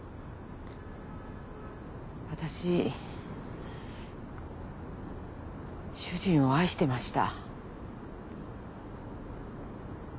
私主人を愛してました。